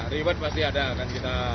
reward pasti ada